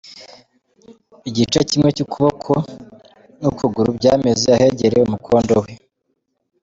Igice kimwe cy’ukuboko n’ukuguru byameze ahegereye umukondo we.